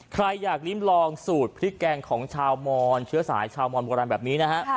ใครอยากลิ้มลองสูตรพริกแกงของชาวมอนเชื้อสายชาวมอนโบราณแบบนี้นะฮะ